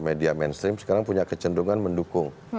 media mainstream sekarang punya kecenderungan mendukung